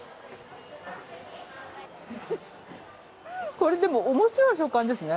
これでもおもしろい食感ですね。